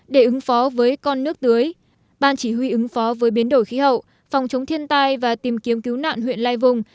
để ứng phó với con nước tưới ban chỉ huy ứng phó với biến đổi khí hậu phòng chống thiên tai và tìm kiếm cứu nạn huyện lai vùng